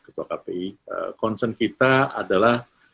dan konsen kita adalah